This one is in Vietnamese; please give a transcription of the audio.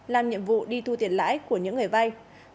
làm nhiệm vụ đi thu tiền lãi của những người vay